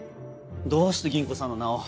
どうして銀子さんの名を？